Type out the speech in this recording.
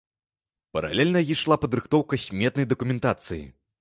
Паралельна ішла падрыхтоўка сметнай дакументацыі.